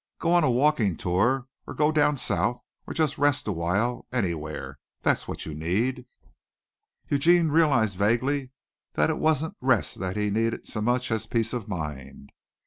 Go on a walking tour or go down South or just rest awhile, anywhere, that's what you need." Eugene realized vaguely that it wasn't rest that he needed so much as peace of mind.